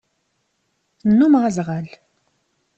Nnumeɣ azɣal.